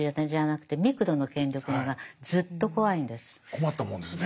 困ったもんですね。